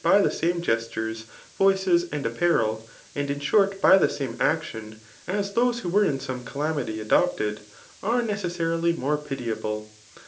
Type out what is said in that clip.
by the. same gestures, . voices and. apparel^ arid in. short by the sam^e wiicii (]a|9 those who were in .some calamity adopted,]. are necessarily riiore pitiable.